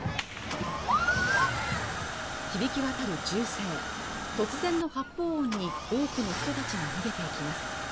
響き渡る銃声突然の発砲音に多くの人たちが逃げていきます